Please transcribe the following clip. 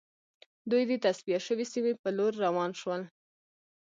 دوی د تصفیه شوې سیمې په لور روان شول